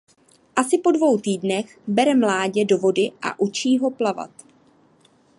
Asi po dvou týdnech bere mládě do vody a učí ho plavat.